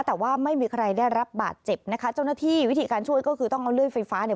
แต่ว่าไม่มีใครได้รับบาดเจ็บนะคะเจ้าหน้าที่วิธีการช่วยก็คือต้องเอาเลื่อยไฟฟ้าเนี่ย